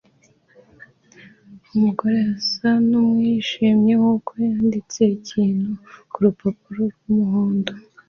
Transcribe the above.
Umugore asa nuwishimye nkuko yanditse ikintu kurupapuro rwumuhondo